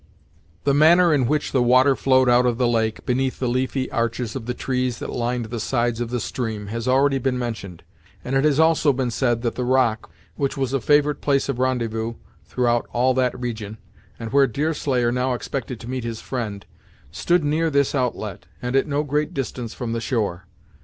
The manner in which the water flowed out of the lake, beneath the leafy arches of the trees that lined the sides of the stream, has already been mentioned, and it has also been said that the rock, which was a favorite place of rendezvous throughout all that region, and where Deerslayer now expected to meet his friend, stood near this outlet, and at no great distance from the shore.